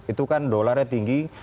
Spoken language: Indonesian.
itu kan dolarnya tinggi